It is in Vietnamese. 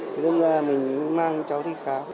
thế nên là mình mang cho đi khám